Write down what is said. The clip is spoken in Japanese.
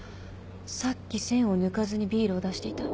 さっき栓を抜かずにビールを出していた。